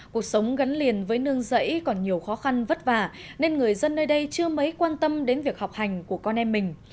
cuộc sống gắn liền với nương dẫy còn nhiều khó khăn vất vả nên người dân nơi đây chưa mấy quan tâm đến việc học hành của con em mình